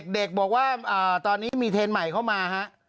เด็กบอกว่าตอนนี้มีเทรนด์ใหม่เข้ามาฮะ